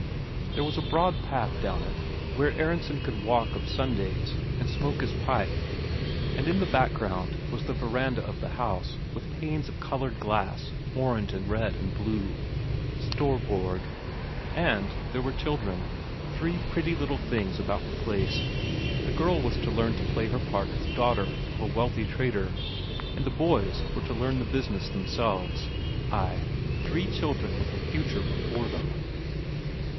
There was a broad path down it, where Aronsen could walk o' Sundays and smoke his pipe, and in the background was the verandah of the house, with panes of coloured glass, orange and red and blue. Storborg ... And there were children three pretty little things about the place. The girl was to learn to play her part as daughter of a wealthy trader, and the boys were to learn the business themselves ay, three children with a future before them!